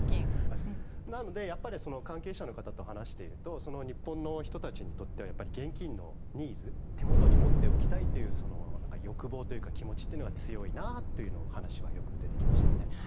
なので関係者の方と話していると日本の人たちにとっては現金のニーズ手元に持っておきたいという欲望というか気持ちが強いなという話はよく出てきましたね。